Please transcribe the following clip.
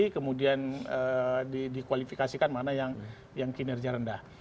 kemudian dikualifikasikan mana yang kinerja rendah